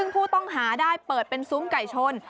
ผู้ต้องหาได้เปิดเป็นซุ้มไก่ชน